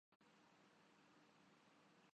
تو پاکستان آئیں۔